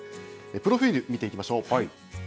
プロフィール見ていきましょう。